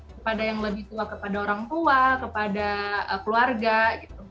kepada yang lebih tua kepada orang tua kepada keluarga gitu